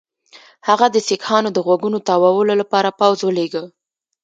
هغه د سیکهانو د غوږونو تاوولو لپاره پوځ ولېږه.